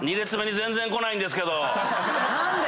何で？